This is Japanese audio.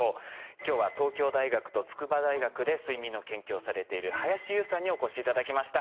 今日は東京大学と筑波大学で睡眠の研究をされている林悠さんにお越し頂きました。